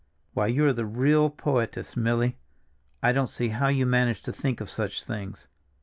"Why, you are a real poetess, Milly; I don't see how you manage to think of such things.